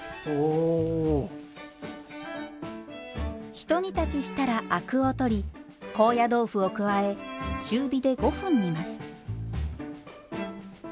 ひと煮立ちしたらアクを取り高野豆腐を加え中火で５分煮ます。